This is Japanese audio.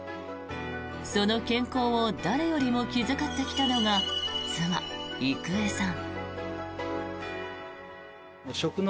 その健康を誰よりも気遣ってきたのが妻・郁恵さん。